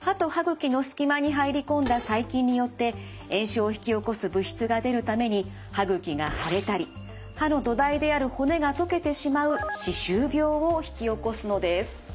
歯と歯ぐきの隙間に入り込んだ細菌によって炎症を引き起こす物質が出るために歯ぐきが腫れたり歯の土台である骨が溶けてしまう歯周病を引き起こすのです。